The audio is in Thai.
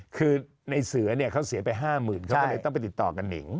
คือไหนเสือเขาเสียไปห้าหมื่นเขาก็เลยต้องไปติดต่อกับนิง